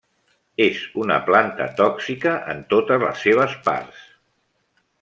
És una planta tòxica en totes les seves parts.